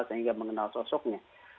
sehingga mengenal sosoknya